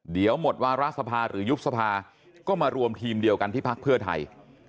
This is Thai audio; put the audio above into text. เดี๋ยวหมดวาระสภาหรือยุบสภาก็มารวมทีมเดียวกันที่พักเพื่อไทย